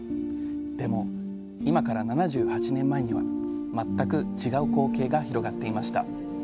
でも今から７８年前には全く違う光景が広がっていました。